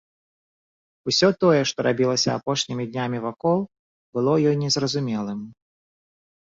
Усё тое, што рабілася апошнімі днямі вакол, было ёй незразумелым.